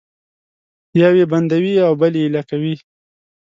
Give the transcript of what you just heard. یو یې بندوي او بل یې ایله کوي